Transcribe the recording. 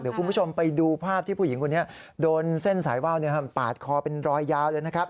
เดี๋ยวคุณผู้ชมไปดูภาพที่ผู้หญิงคนนี้โดนเส้นสายว่าวปาดคอเป็นรอยยาวเลยนะครับ